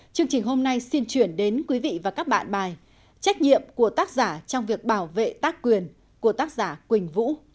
chương trình hôm nay xin chuyển đến quý vị và các bạn bài trách nhiệm của tác giả trong việc bảo vệ tác quyền của tác giả quỳnh vũ